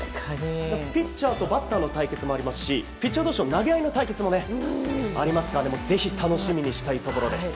ピッチャーとバッターの対決もありますしピッチャー同士の投げ合いの対決もありますからぜひ楽しみにしたいところです。